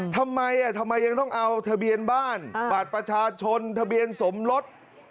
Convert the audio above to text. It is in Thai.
ทำไมทำไมยังต้องเอาทะเบียนบ้านบัตรประชาชนทะเบียนสมรส